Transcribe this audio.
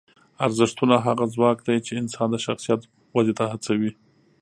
ارزښتونه هغه ځواک دی چې انسان د شخصیت ودې ته هڅوي.